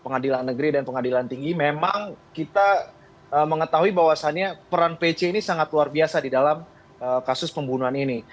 pengadilan negeri dan pengadilan tinggi memang kita mengetahui bahwasannya peran pc ini sangat luar biasa di dalam kasus pembunuhan ini